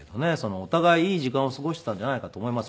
お互いいい時間を過ごしたんじゃないかと思います